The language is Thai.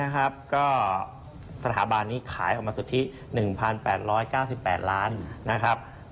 ก็สถาบันนี้ขายออกมาสุทธิ๑๘๙๘ล้านนะครับ